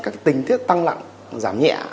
các tình tiết tăng lặng giảm nhẹ